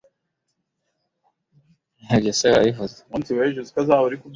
Dufatiye ku kintu gifatika cyane pe